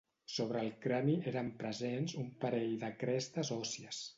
Sobre el crani eren presents un parell de crestes òssies.